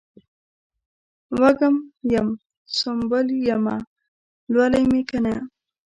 وږم یم ، سنبل یمه لولی مې کنه